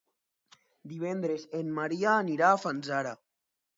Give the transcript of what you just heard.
Divendres en Maria anirà a Fanzara.